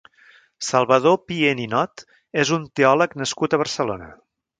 Salvador Pié Ninot és un teòleg nascut a Barcelona.